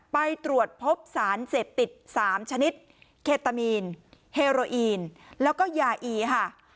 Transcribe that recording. ไปตรวจพบสารเสพติด๓ชนิดเคตามีนเฮโรอีนแล้วก็ยาอีค่ะ